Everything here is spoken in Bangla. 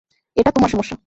এটা তোমার সমস্যা।